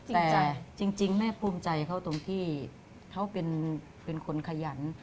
จริงใจจริงแม่ภูมิใจเขาตรงที่เขาเป็นคนขยัน